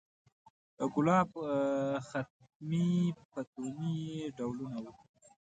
ګلاب، ختمي، فتوني یې ډولونه و.